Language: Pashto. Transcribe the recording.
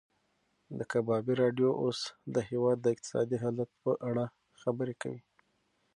د کبابي راډیو اوس د هېواد د اقتصادي حالت په اړه خبرې کوي.